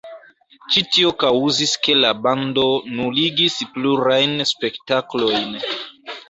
Ĉi tio kaŭzis ke la bando nuligis plurajn spektaklojn.